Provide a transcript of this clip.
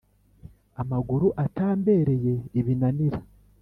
amaguru atambereye ibinanira